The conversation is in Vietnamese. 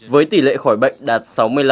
với tỷ lệ khỏi bệnh đạt sáu mươi năm